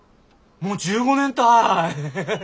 もう１５年たい！